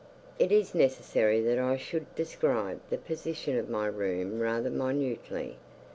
It is necessary that I should describe the position of my room rather minutely.